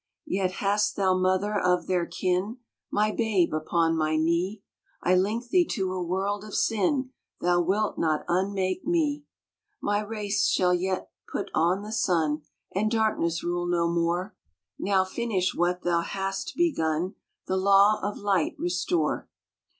" Yet hast Thou mother of their kin : My Babe upon my knee, I link thee to a world of sin — Thou wilt not un make me !" My race shall yet put on the sun, And darkness rule no more. Now, finish what Thou hast begun, The law of light restore.